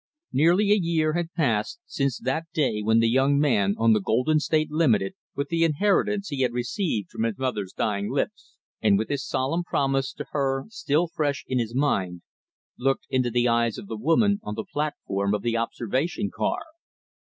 Nearly a year had passed since that day when the young man on the Golden State Limited with the inheritance he had received from his mother's dying lips, and with his solemn promise to her still fresh in his mind looked into the eyes of the woman on the platform of the observation car.